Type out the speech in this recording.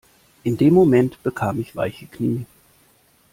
In dem Moment bekam ich weiche Knie.